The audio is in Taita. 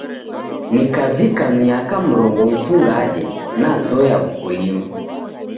Nikavika miaka mrongo mfungade, nazoya w'ukulima.